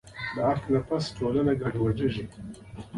له عقل پرته ټولنه ګډوډېږي.